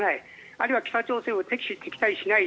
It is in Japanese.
あるいは北朝鮮を敵視・敵対しない